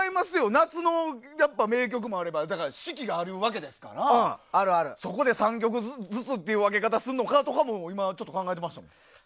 夏の名曲もあれば四季があるわけですからそこで３曲ずつという分け方するのかとかも今、ちょっと考えてました。